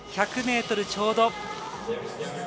１００ｍちょうど。